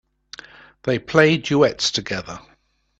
They play duets together.